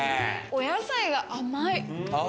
お野菜が甘い。